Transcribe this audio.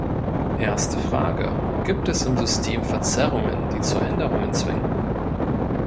Erste Frage: Gibt es im System Verzerrungen, die zu Änderungen zwingen?